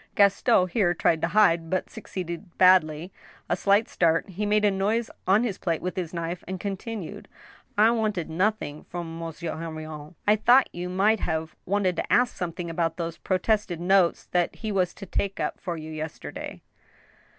Gaston here tried to hide (but succeeded badly) a slight start ; he made a noise on his plate with his knife, and continued :I wanted nothing from Monsieur Henrion." "I thought you might have wanted to ask something about those protested notes that he was to take up for you yesterday."